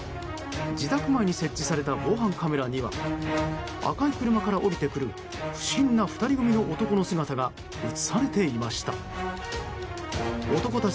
自宅前に設置された防犯カメラには赤い車から降りてくる不審な２人組の男の姿が映されていました。